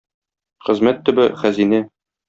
Хезмәт төбе — хәзинә.